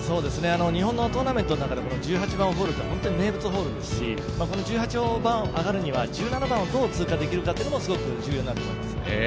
日本のトーナメントの中でも１８番ホールは名物ホールですし、１８番上がるには１７番をどう通過できるかというのも重要です。